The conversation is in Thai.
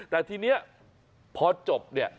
แต่ทีนี้พอจบเนี่ย